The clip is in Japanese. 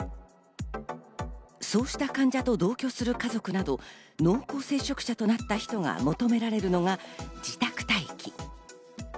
そうした患者と同居する家族など濃厚接触者となった人が求められるのが自宅待機。